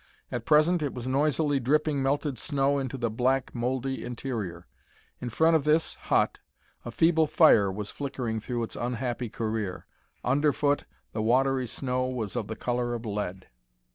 At present it was noisily dripping melted snow into the black mouldy interior. In front of this hut a feeble fire was flickering through its unhappy career. Underfoot, the watery snow was of the color of lead.